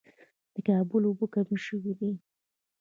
د کابل اوبه کمې شوې دي